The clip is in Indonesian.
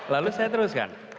lalu saya teruskan